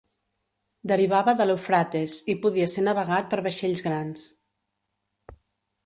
Derivava de l'Eufrates i podia ser navegat per vaixells grans.